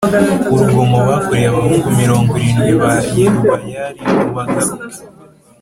urugomo bakoreye abahungu mirongo irindwi ba Yerubayali rubagaruke